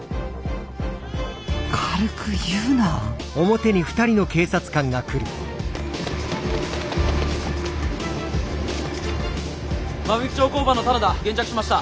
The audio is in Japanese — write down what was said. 軽く言うな馬引町交番の棚田現着しました。